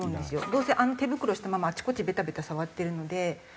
どうせあの手袋したままあちこちベタベタ触ってるので。